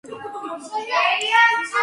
ადრე ამდგარსა კურდღელსა, ვერ დაეწევა მდევარი.